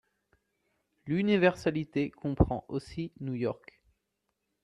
L’universalité comprend aussi New York